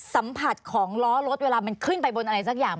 สัมผัสของล้อรถเวลามันขึ้นไปบนอะไรสักอย่าง